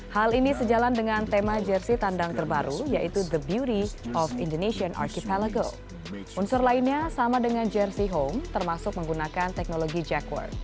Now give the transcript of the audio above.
tandang timnas indonesia